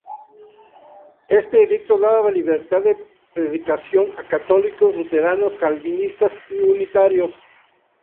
Este edicto daba libertad de predicación a católicos, luteranos, calvinistas y unitarios.